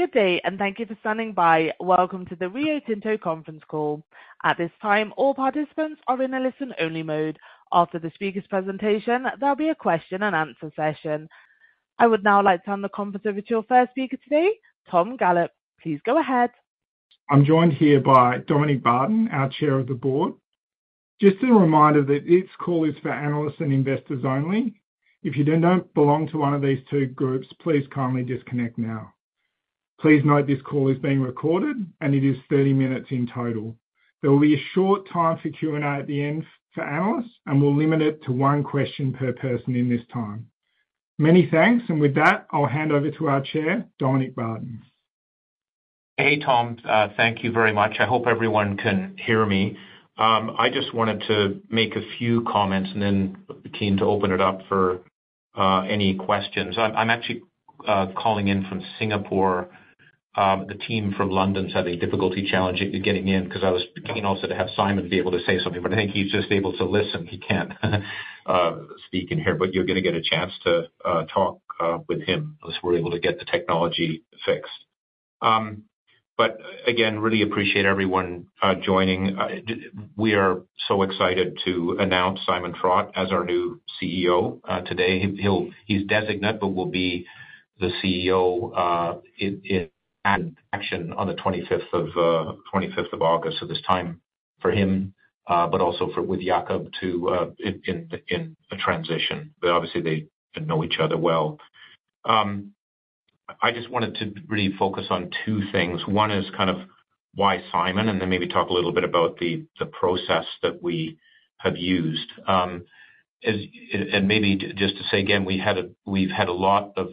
Good day, and thank you for standing by. Welcome to the Rio Tinto Conference Call. At this time, all participants are in a listen-only mode. After the speaker's presentation, there'll be a question-and-answer session. I would now like to turn the conference over to your first speaker today, Tom Gallop. Please go ahead. I'm joined here by Dominic Barton, our Chair of the Board. Just a reminder that this call is for analysts and investors only. If you do not belong to one of these two groups, please kindly disconnect now. Please note this call is being recorded, and it is 30 minutes in total. There will be a short time for Q&A at the end for analysts, and we'll limit it to one question per person in this time. Many thanks, and with that, I'll hand over to our Chair, Dominic Barton. Hey, Tom. Thank you very much. I hope everyone can hear me. I just wanted to make a few comments and then keen to open it up for any questions. I'm actually calling in from Singapore. The team from London is having difficulty getting in because I was thinking also to have Simon be able to say something, but I think he's just able to listen. He can't speak in here, but you're going to get a chance to talk with him unless we're able to get the technology fixed. Again, really appreciate everyone joining. We are so excited to announce Simon Trott as our new CEO today. He's designate, but will be the CEO in action on the 25th of August. There's time for him, but also with Jakob to be in a transition. Obviously, they know each other well. I just wanted to really focus on two things. One is kind of why Simon, and then maybe talk a little bit about the process that we have used. Maybe just to say again, we've had a lot of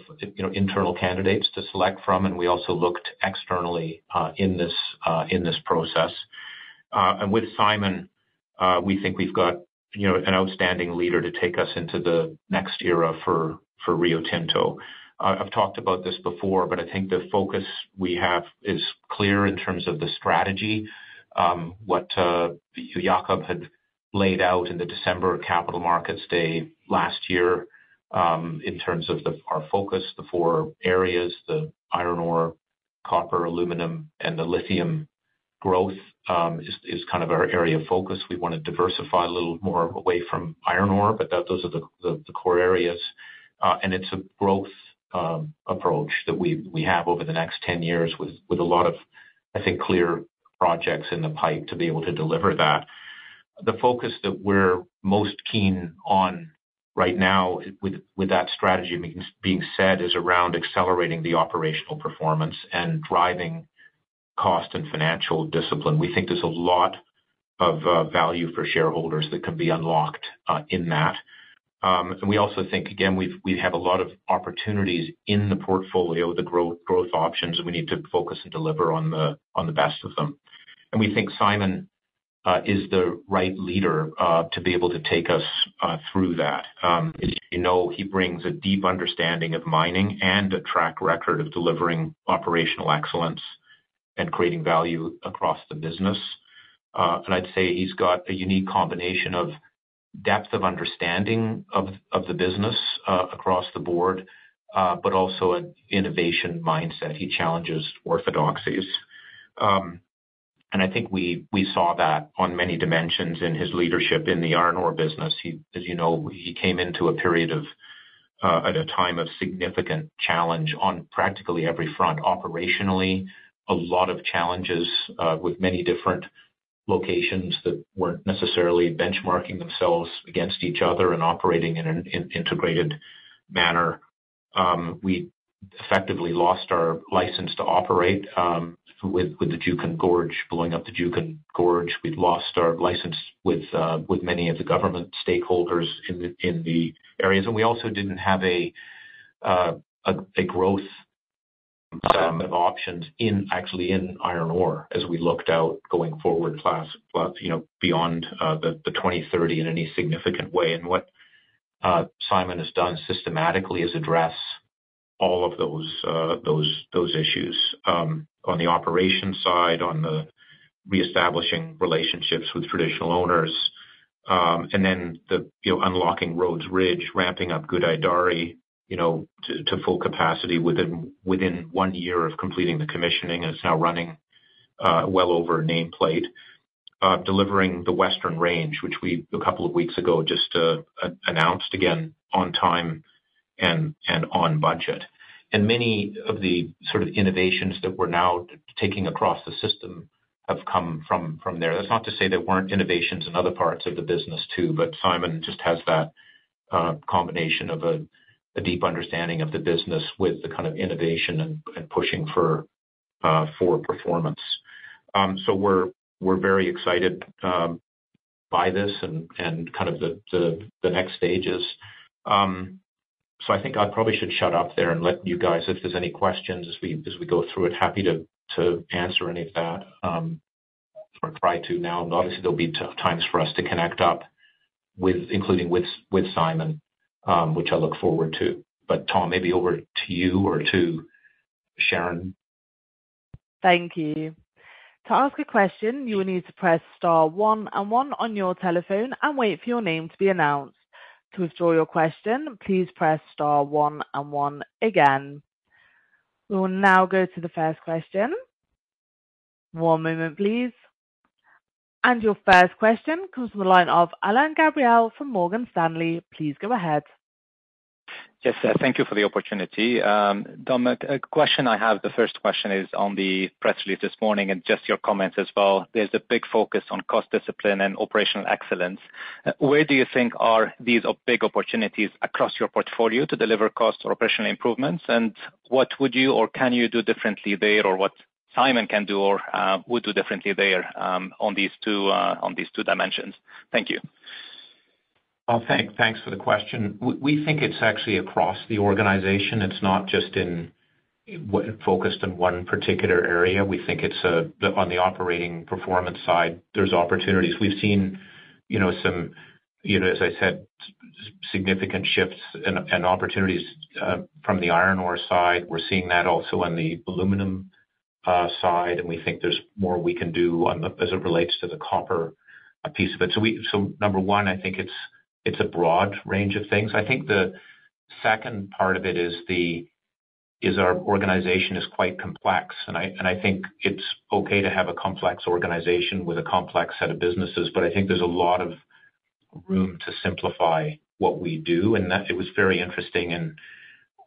internal candidates to select from, and we also looked externally in this process. With Simon, we think we've got an outstanding leader to take us into the next era for Rio Tinto. I've talked about this before, but I think the focus we have is clear in terms of the strategy, what Jakob had laid out in the December Capital Markets Day last year. In terms of our focus, the four areas, the iron ore, copper, aluminum, and the lithium growth is kind of our area of focus. We want to diversify a little more away from iron ore, but those are the core areas. It is a growth. Approach that we have over the next 10 years with a lot of, I think, clear projects in the pipe to be able to deliver that. The focus that we're most keen on right now, with that strategy being said, is around accelerating the operational performance and driving cost and financial discipline. We think there's a lot of value for shareholders that can be unlocked in that. We also think, again, we have a lot of opportunities in the portfolio, the growth options, and we need to focus and deliver on the best of them. We think Simon is the right leader to be able to take us through that. As you know, he brings a deep understanding of mining and a track record of delivering operational excellence and creating value across the business. I'd say he's got a unique combination of. Depth of understanding of the business across the board, but also an innovation mindset. He challenges orthodoxies. I think we saw that on many dimensions in his leadership in the iron ore business. As you know, he came into a period of significant challenge on practically every front. Operationally, a lot of challenges with many different locations that were not necessarily benchmarking themselves against each other and operating in an integrated manner. We effectively lost our license to operate with the Juukan Gorge, blowing up the Juukan Gorge, we lost our license with many of the government stakeholders in the areas. We also did not have a growth of options actually in iron ore as we looked out going forward beyond 2030 in any significant way. What Simon has done systematically is address all of those. Issues on the operation side, on the reestablishing relationships with traditional owners. Then the unlocking Rhodes Ridge, ramping up Gudai-Dari to full capacity within one year of completing the commissioning. It is now running well over nameplate. Delivering the Western Range, which we a couple of weeks ago just announced again on time and on budget. Many of the sort of innovations that we are now taking across the system have come from there. That is not to say there were not innovations in other parts of the business too, but Simon just has that combination of a deep understanding of the business with the kind of innovation and pushing for performance. We are very excited by this and kind of the next stages. I think I probably should shut up there and let you guys, if there are any questions as we go through it. Happy to answer any of that. Or try to now. Obviously, there will be times for us to connect up, including with Simon, which I look forward to. Tom, maybe over to you or to Sharon. Thank you. To ask a question, you will need to press star one and one on your telephone and wait for your name to be announced. To withdraw your question, please press star one and one again. We will now go to the first question. One moment, please. Your first question comes from the line of Alain Gabriel from Morgan Stanley. Please go ahead. Yes, thank you for the opportunity. Dom, a question I have, the first question is on the press release this morning and just your comments as well. There is a big focus on cost discipline and operational excellence. Where do you think are these big opportunities across your portfolio to deliver cost or operational improvements? What would you or can you do differently there or what Simon can do or would do differently there on these two dimensions? Thank you. Thanks for the question. We think it's actually across the organization. It's not just focused on one particular area. We think it's on the operating performance side. There's opportunities. We've seen some, as I said, significant shifts and opportunities from the iron ore side. We're seeing that also on the aluminum side, and we think there's more we can do as it relates to the copper piece of it. Number one, I think it's a broad range of things. The second part of it is our organization is quite complex. I think it's okay to have a complex organization with a complex set of businesses, but I think there's a lot of room to simplify what we do. It was very interesting in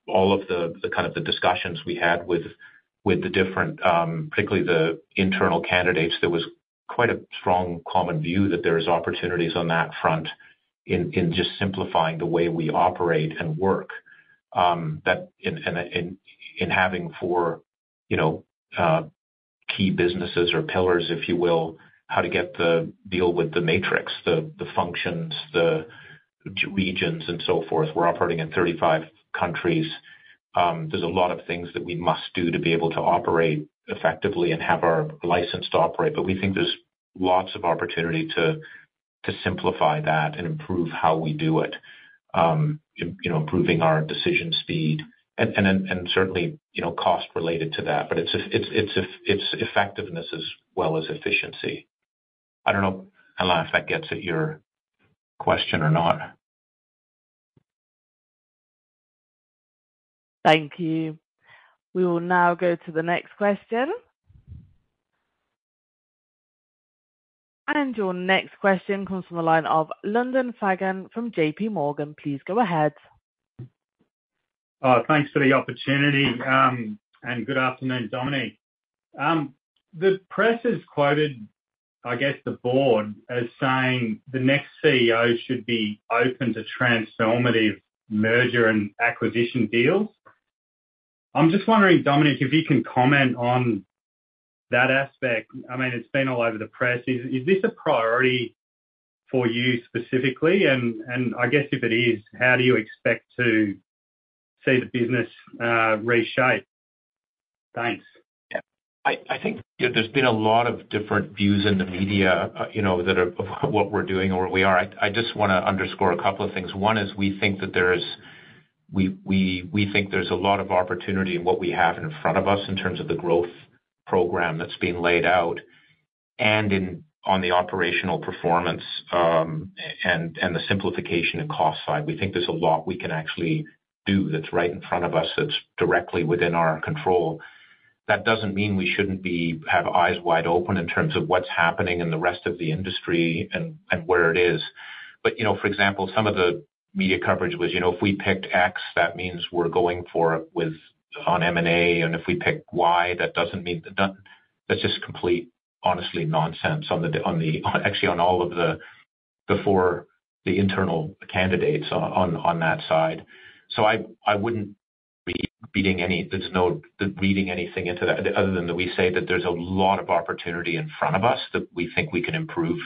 all of the kind of the discussions we had with. The different, particularly the internal candidates, there was quite a strong common view that there are opportunities on that front. In just simplifying the way we operate and work. In having four key businesses or pillars, if you will, how to deal with the matrix, the functions, the regions, and so forth. We are operating in 35 countries. There are a lot of things that we must do to be able to operate effectively and have our license to operate. We think there is lots of opportunity to simplify that and improve how we do it. Improving our decision speed, and certainly cost-related to that. It is effectiveness as well as efficiency. I do not know, Alain, if that gets at your question or not. Thank you. We will now go to the next question. Your next question comes from the line of Lyndon Fagan from J.P. Morgan. Please go ahead. Thanks for the opportunity. Good afternoon, Dominic. The press has quoted, I guess, the board as saying the next CEO should be open to transformative merger and acquisition deals. I'm just wondering, Dominic, if you can comment on that aspect. I mean, it's been all over the press. Is this a priority for you specifically? I guess if it is, how do you expect to see the business reshape? Thanks. Yeah. I think there's been a lot of different views in the media that are of what we're doing or what we are. I just want to underscore a couple of things. One is we think that there's a lot of opportunity in what we have in front of us in terms of the growth program that's being laid out and on the operational performance and the simplification and cost side. We think there's a lot we can actually do that's right in front of us that's directly within our control. That doesn't mean we shouldn't have eyes wide open in terms of what's happening in the rest of the industry and where it is. For example, some of the media coverage was, "If we picked X, that means we're going for it on M&A." If we picked Y, that doesn't mean that's just complete, honestly, nonsense actually on all of the four internal candidates on that side. I wouldn't be reading anything into that other than that we say that there's a lot of opportunity in front of us that we think we can improve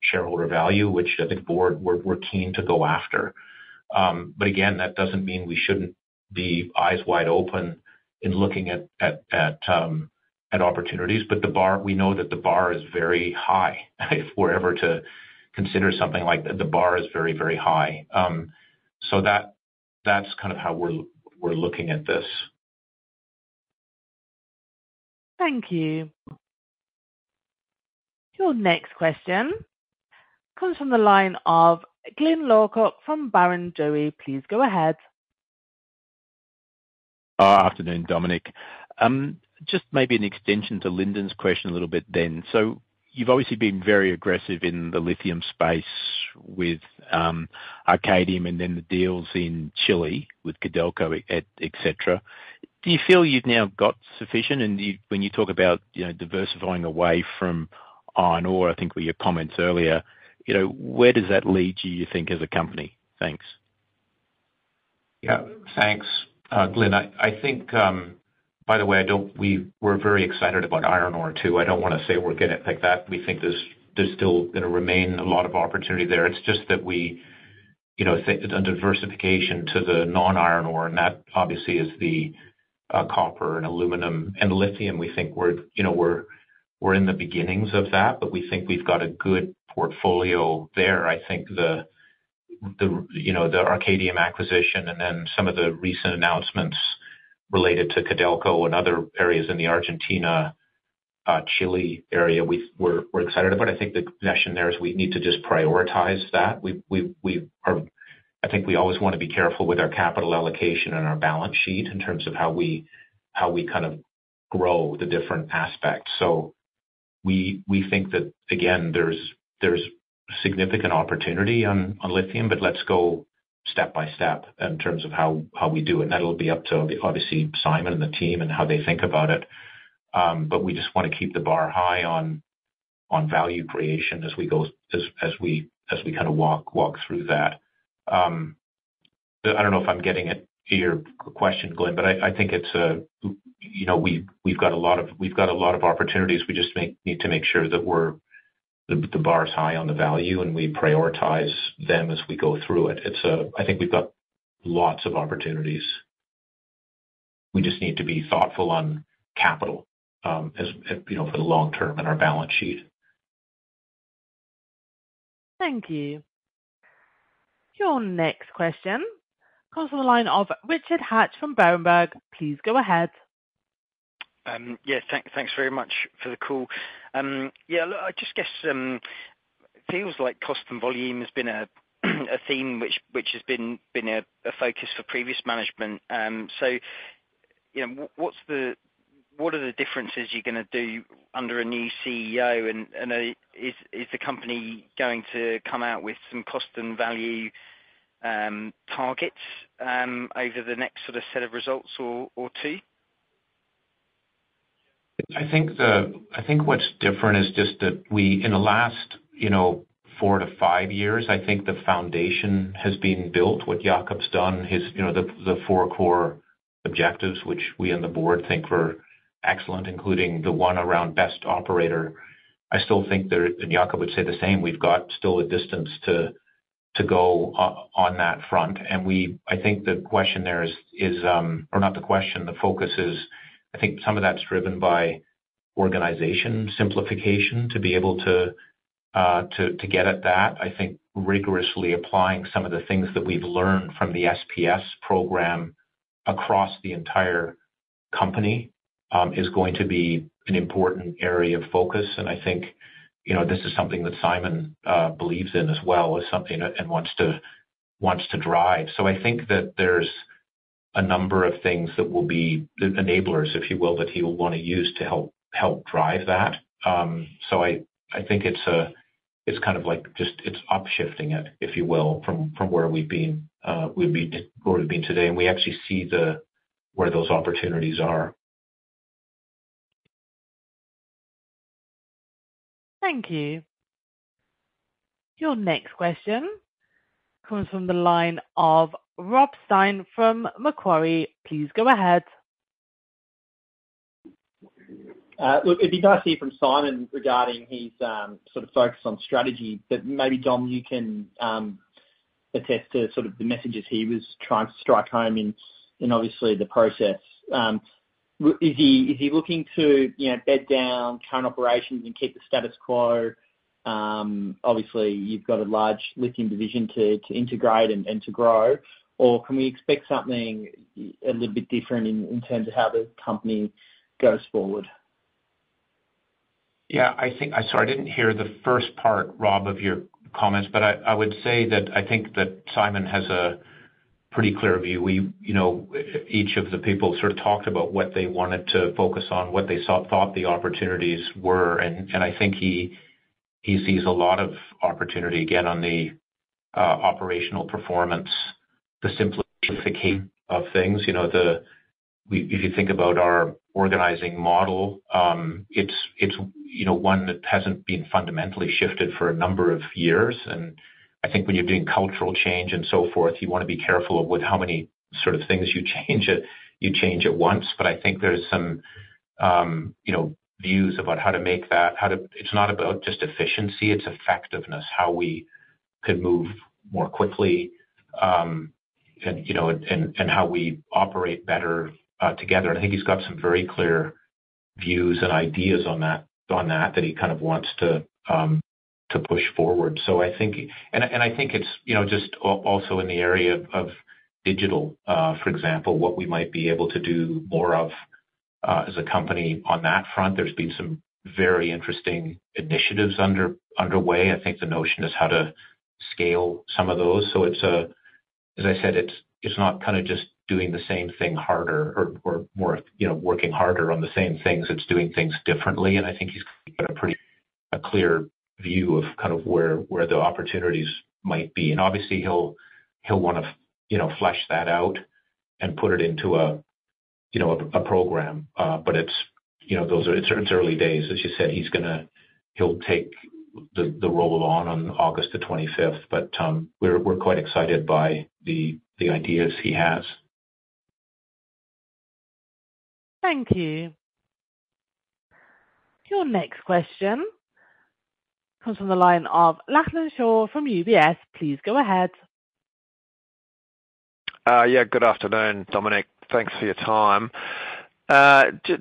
shareholder value, which I think we're keen to go after. Again, that doesn't mean we shouldn't be eyes wide open in looking at opportunities. We know that the bar is very high. If we're ever to consider something like that, the bar is very, very high. That's kind of how we're looking at this. Thank you. Your next question comes from the line of Glyn Lawcock from Berenjoey. Please go ahead. Afternoon, Dominic. Just maybe an extension to Lyndon's question a little bit then. You have obviously been very aggressive in the lithium space with Arcadium and then the deals in Chile with Codelco, etc. Do you feel you have now got sufficient? When you talk about diversifying away from iron ore, I think were your comments earlier, where does that lead you, you think, as a company? Thanks. Yeah. Thanks, Glyn. I think. By the way, we're very excited about iron ore too. I don't want to say we're going to pick that. We think there's still going to remain a lot of opportunity there. It's just that we think a diversification to the non-iron ore, and that obviously is the copper and aluminum and lithium. We think we're in the beginnings of that, but we think we've got a good portfolio there. I think the Arcadium acquisition and then some of the recent announcements related to Codelco and other areas in the Argentina-Chile area we're excited about. I think the question there is we need to just prioritize that. I think we always want to be careful with our capital allocation and our balance sheet in terms of how we kind of grow the different aspects. We think that, again, there's significant opportunity on lithium, but let's go step by step in terms of how we do it. That'll be up to obviously Simon and the team and how they think about it. We just want to keep the bar high on value creation as we kind of walk through that. I don't know if I'm getting at your question, Glyn, but I think it's, we've got a lot of opportunities. We just need to make sure that the bar is high on the value and we prioritize them as we go through it. I think we've got lots of opportunities. We just need to be thoughtful on capital for the long term in our balance sheet. Thank you. Your next question comes from the line of Richard Hatch from Berenberg. Please go ahead. Yes. Thanks very much for the call. Yeah. I just guess it feels like cost and volume has been a theme which has been a focus for previous management. What are the differences you're going to do under a new CEO? Is the company going to come out with some cost and value targets over the next sort of set of results or two? I think what's different is just that in the last four to five years, I think the foundation has been built. What Jakob's done, the four core objectives, which we in the board think were excellent, including the one around best operator. I still think that Jakob would say the same. We've got still a distance to go on that front. I think the question there is, or not the question, the focus is, I think some of that's driven by organization simplification to be able to get at that. I think rigorously applying some of the things that we've learned from the SPS program across the entire company is going to be an important area of focus. I think this is something that Simon believes in as well and wants to drive. I think that there's a number of things that will be enablers, if you will, that he will want to use to help drive that. I think it's kind of like just it's upshifting it, if you will, from where we've been. Today, we actually see where those opportunities are. Thank you. Your next question comes from the line of Rob Stein from Macquarie. Please go ahead. Look, it'd be nice to hear from Simon regarding his sort of focus on strategy. But maybe, Dom, you can attest to sort of the messages he was trying to strike home in obviously the process. Is he looking to bed down current operations and keep the status quo? Obviously, you've got a large lithium division to integrate and to grow. Or can we expect something a little bit different in terms of how the company goes forward? Yeah. Sorry, I did not hear the first part, Rob, of your comments, but I would say that I think that Simon has a pretty clear view. Each of the people sort of talked about what they wanted to focus on, what they thought the opportunities were. I think he sees a lot of opportunity, again, on the operational performance, the simplification of things. If you think about our organizing model, it is one that has not been fundamentally shifted for a number of years. I think when you are doing cultural change and so forth, you want to be careful of how many sort of things you change at once. I think there are some views about how to make that. It is not about just efficiency. It is effectiveness, how we can move more quickly, and how we operate better together. I think he's got some very clear views and ideas on that that he kind of wants to push forward. I think it's just also in the area of digital, for example, what we might be able to do more of as a company on that front. There have been some very interesting initiatives underway. I think the notion is how to scale some of those. As I said, it's not kind of just doing the same thing harder or working harder on the same things. It's doing things differently. I think he's got a pretty clear view of kind of where the opportunities might be. Obviously, he'll want to flesh that out and put it into a program. It is early days. As you said, he'll take the role on August 25. We are quite excited by the ideas he has. Thank you. Your next question comes from the line of Lachlan Shaw from UBS. Please go ahead. Yeah. Good afternoon, Dominic. Thanks for your time.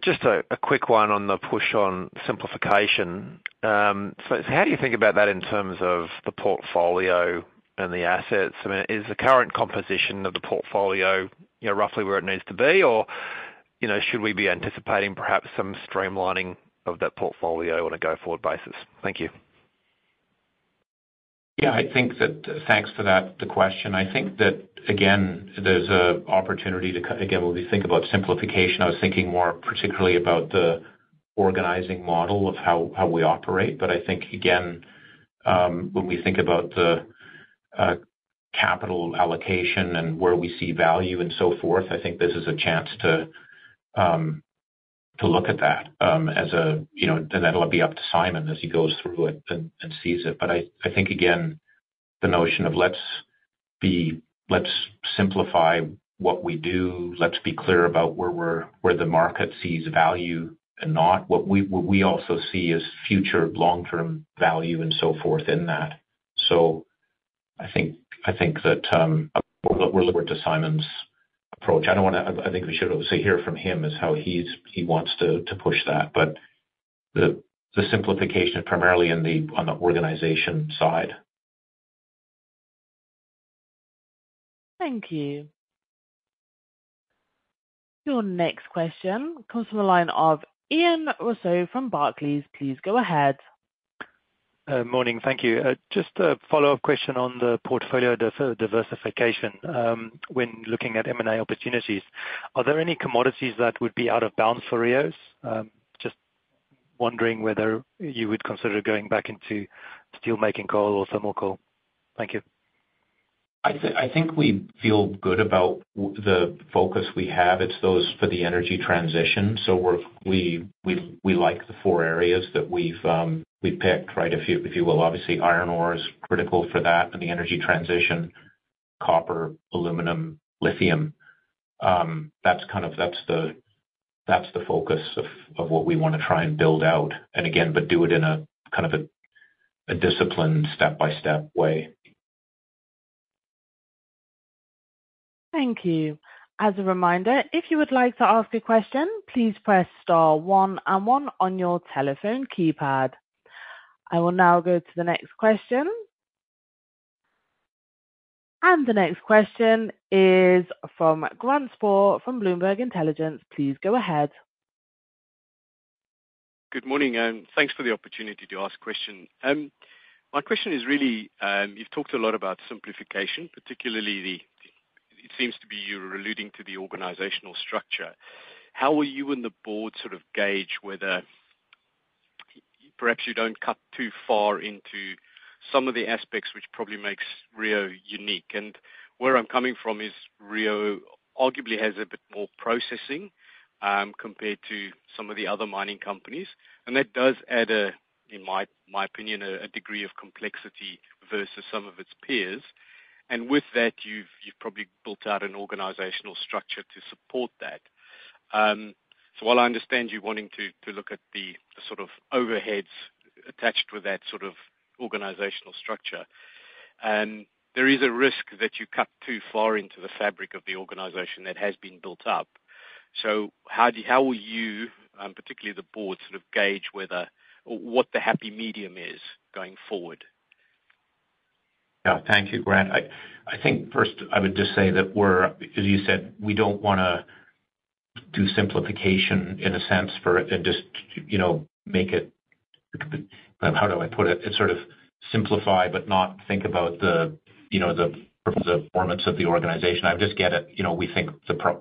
Just a quick one on the push on simplification. How do you think about that in terms of the portfolio and the assets? I mean, is the current composition of the portfolio roughly where it needs to be, or should we be anticipating perhaps some streamlining of that portfolio on a go-forward basis? Thank you. Yeah. Thanks for that question. I think that, again, there's an opportunity to, again, when we think about simplification, I was thinking more particularly about the organizing model of how we operate. But I think, again, when we think about the capital allocation and where we see value and so forth, I think this is a chance to look at that as a—and that'll be up to Simon as he goes through it and sees it. I think, again, the notion of, "Let's simplify what we do. Let's be clear about where the market sees value and not what we also see as future long-term value and so forth in that." I think that we'll look to Simon's approach. I think we should also hear from him as how he wants to push that. The simplification is primarily on the organization side. Thank you. Your next question comes from the line of Ian Rossouw from Barclays. Please go ahead. Morning. Thank you. Just a follow-up question on the portfolio diversification. When looking at M&A opportunities, are there any commodities that would be out of bounds for Rio? Just wondering whether you would consider going back into steelmaking coal or thermal coal. Thank you. I think we feel good about the focus we have. It's those for the energy transition. We like the four areas that we've picked, right, if you will. Obviously, iron ore is critical for that and the energy transition. Copper, aluminum, lithium. That's the focus of what we want to try and build out. And again, do it in a kind of a disciplined step-by-step way. Thank you. As a reminder, if you would like to ask a question, please press star one and one on your telephone keypad. I will now go to the next question. The next question is from Grant Sporre from Bloomberg Intelligence. Please go ahead. Good morning. Thanks for the opportunity to ask a question. My question is really, you've talked a lot about simplification, particularly. It seems to be you're alluding to the organizational structure. How will you and the board sort of gauge whether, perhaps, you don't cut too far into some of the aspects which probably makes Rio Tinto unique? Where I'm coming from is Rio Tinto arguably has a bit more processing compared to some of the other mining companies. That does add, in my opinion, a degree of complexity versus some of its peers. With that, you've probably built out an organizational structure to support that. While I understand you wanting to look at the sort of overheads attached with that sort of organizational structure, there is a risk that you cut too far into the fabric of the organization that has been built up. How will you, and particularly the board, sort of gauge whether or what the happy medium is going forward? Yeah. Thank you, Grant. I think first I would just say that we're, as you said, we don't want to do simplification in a sense for it and just make it—how do I put it?—sort of simplify but not think about the performance of the organization. I just get it. We think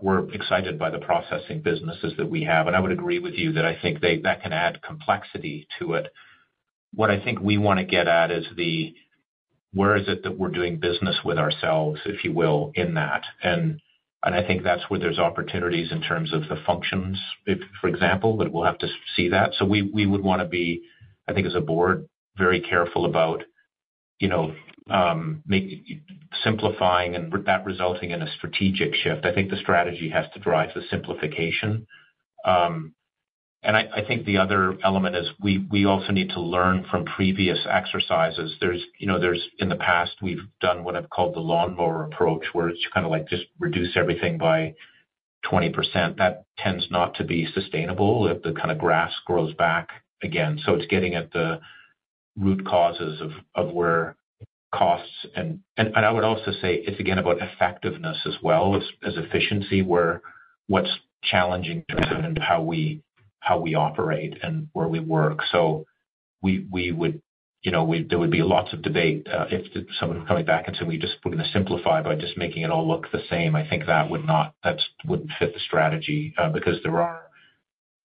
we're excited by the processing businesses that we have. And I would agree with you that I think that can add complexity to it. What I think we want to get at is the, where is it that we're doing business with ourselves, if you will, in that? And I think that's where there's opportunities in terms of the functions, for example, but we'll have to see that. We would want to be, I think as a board, very careful about simplifying and that resulting in a strategic shift. I think the strategy has to drive the simplification. I think the other element is we also need to learn from previous exercises. In the past, we've done what I've called the lawnmower approach, where it's kind of like just reduce everything by 20%. That tends not to be sustainable if the kind of grass grows back again. It's getting at the root causes of where costs, and I would also say it's again about effectiveness as well as efficiency, where what's challenging in terms of how we operate and where we work. We would— There would be lots of debate if someone was coming back and saying, "We're going to simplify by just making it all look the same." I think that wouldn't fit the strategy because there are.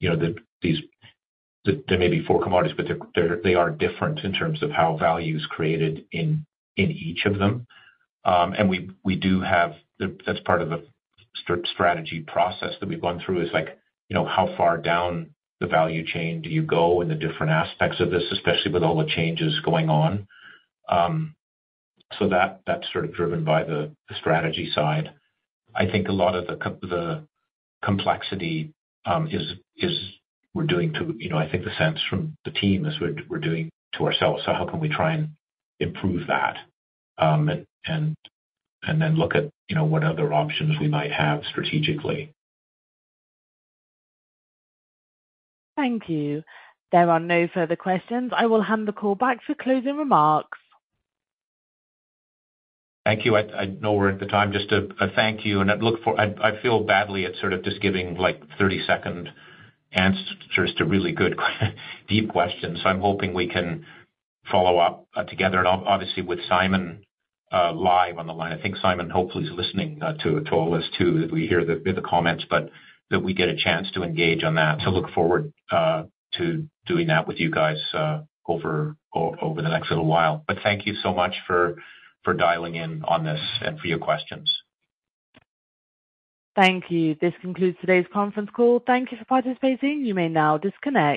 There may be four commodities, but they are different in terms of how value is created in each of them. We do have—that is part of the strategy process that we have gone through—is how far down the value chain do you go in the different aspects of this, especially with all the changes going on. That is sort of driven by the strategy side. I think a lot of the complexity is—we are doing to—I think the sense from the team is we are doing to ourselves. How can we try and improve that, and then look at what other options we might have strategically? Thank you. There are no further questions. I will hand the call back for closing remarks. Thank you. I know we're at the time. Just a thank you. I feel badly at sort of just giving 30-second answers to really good, deep questions. I'm hoping we can follow up together. Obviously, with Simon live on the line, I think Simon hopefully is listening to all of us too, that we hear the comments, that we get a chance to engage on that, to look forward to doing that with you guys over the next little while. Thank you so much for dialing in on this and for your questions. Thank you. This concludes today's conference call. Thank you for participating. You may now disconnect.